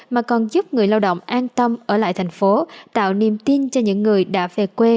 mà còn giúp người lao động an tâm ở lại thành phố tạo niềm tin cho những người đã về quê